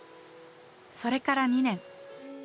それから２年。